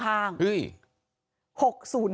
เฮ้ย